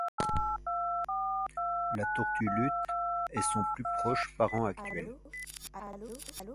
La Tortue Luth est son plus proche parent actuel.